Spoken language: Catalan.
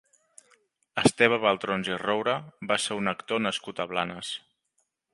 Esteve Baltrons i Roura va ser un actor nascut a Blanes.